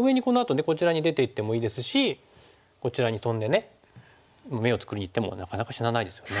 上にこのあとねこちらに出ていってもいいですしこちらにトンで眼を作りにいってもなかなか死なないですよね。